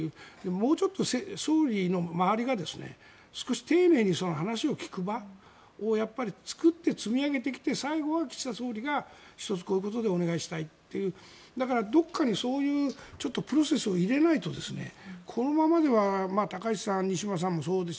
もうちょっと総理の周りが少し丁寧にその話を聞く場を作って、積み上げてきて最後は岸田総理が１つこういうことでお願いしたいというだからどこかにそういうちょっとプロセスを入れないとこのままでは高市さん、西村さんもそうです